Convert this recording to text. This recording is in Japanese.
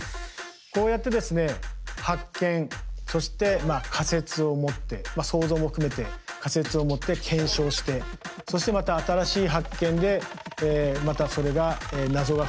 こうやってですね発見そして仮説を持って想像も含めて仮説を持って検証してそしてまた新しい発見でまたそれが謎が深まっていく。